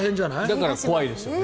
だから怖いですよね。